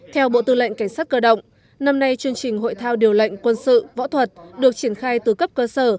theo bộ tư lệnh cảnh sát cơ động năm nay chương trình hội thao điều lệnh quân sự võ thuật được triển khai từ cấp cơ sở